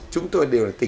của người việt